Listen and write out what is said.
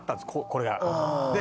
これが。